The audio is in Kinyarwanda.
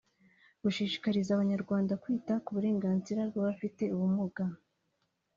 Gushishikariza abanyarwanda kwita ku burenganzira bw’Abafite ubumuga